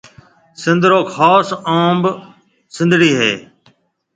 سنڌ رو خاص انڀ سنڌڙِي انڀ هيَ۔